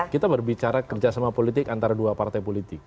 kita berbicara kerjasama politik antara dua partai politik